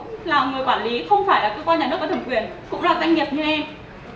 nhà đầu tư khác họ cũng là người quản lý không phải là cơ quan nhà nước có thẩm quyền cũng là doanh nghiệp như em